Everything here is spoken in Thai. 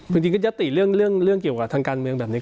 จริงก็ยัตติเรื่องเกี่ยวกับทางการเมืองแบบนี้